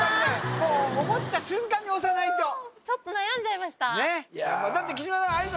もう思った瞬間に押さないとちょっと悩んじゃいましただって木嶋さんああいうの